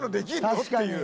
確かに。